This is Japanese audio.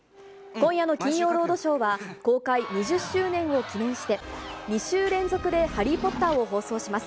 今夜の金曜ロードショーは、公開２０周年を記念して、２週連続でハリー・ポッターを放送します。